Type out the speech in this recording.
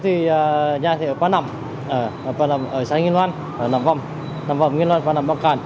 thời gian ngắn nhất